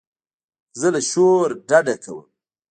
زه له شور ډډه کوم.